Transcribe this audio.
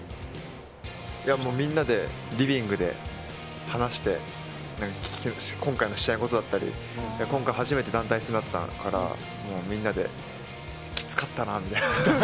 いや、もうみんなでリビングで話して、今回の試合のことだったり、今回初めて団体戦だったから、もう、みんなで、きつかったなぁみたいな。